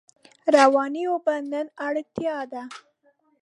روانې اوبه نن اړتیا ده.